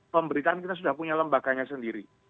pemberitaan kita sudah punya lembaganya sendiri